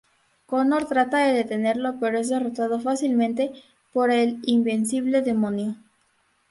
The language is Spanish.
Connor trata de detenerlo pero es derrotado fácilmente por el invencible demonio.